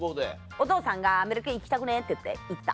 お父さんがアメリカ行きたくね？って言って行った。